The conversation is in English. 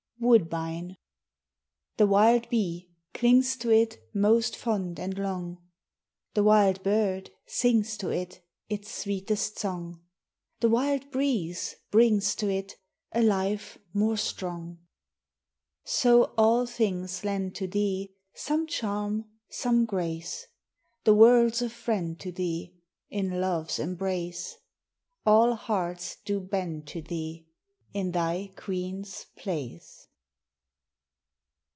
WOODBINE. THE wild bee clings to it Most fond and long. The wild bird sings to it Its sweetest song. The wild breeze brings to it A life more strong. So all things lend to thee Some charm, some grace. The world's a friend to thee, In love's embrace. All hearts do bend to thee, In thy queen's place.